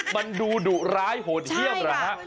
มันดูดุร้ายโหดเหี้ยมเหรอฮะใช่แหละ